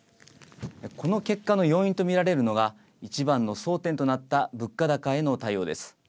この結果の要因とみられるのが一番の争点となった物価高への対応です。